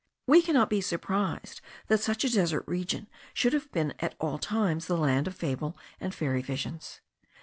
We cannot be surprised that such a desert region should have been at all times the land of fable and fairy visions.